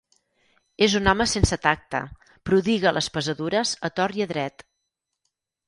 És un home sense tacte: prodiga les pesadures a tort i a dret.